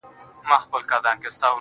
د گران صفت كومه~